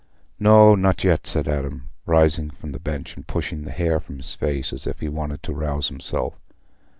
"No, not yet," said Adam, rising from the bench and pushing the hair from his face, as if he wanted to rouse himself.